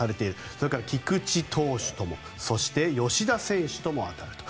それから菊池投手ともそして、吉田選手とも当たる。